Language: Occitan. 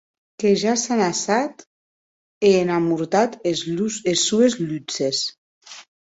Que ja s’an ajaçat e an amortat es sues lutzes.